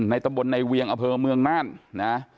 ในตะบนในเวียงอาเภอเมืองนั่นนะ